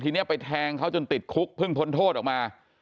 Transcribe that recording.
ทีนี้ไปแทงเขาจนติดคุกเพิ่งพ้นโทษออกมา